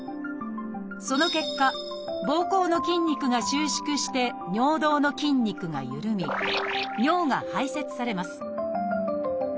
その結果ぼうこうの筋肉が収縮して尿道の筋肉がゆるみ尿が排泄されます。